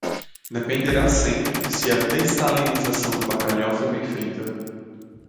Dependerá sempre se a dessalinização do bacalhau foi bem feita.